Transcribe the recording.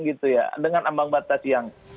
gitu ya dengan ambang batas yang